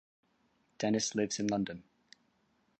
Dennis lives in London.